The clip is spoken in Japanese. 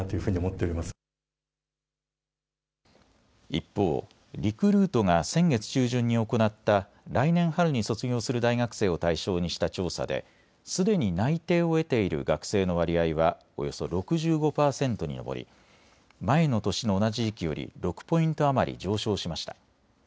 一方、リクルートが先月中旬に行った来年春に卒業する大学生を対象にした調査で、すでに内定を得ている学生の割合はおよそ６５％に上り前の年の同じ時期より６ポイント余り上昇しました。